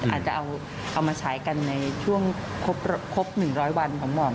อาจจะเอามาใช้กันในช่วงครบ๑๐๐วันของหม่อม